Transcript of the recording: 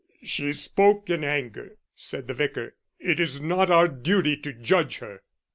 "She spoke in anger," said the Vicar. "It is not our duty to judge her."